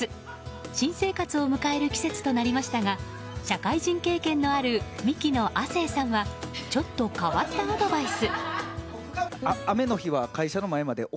新生活を迎える季節となりましたが社会人経験のあるミキの亜生さんはちょっと変わったアドバイス。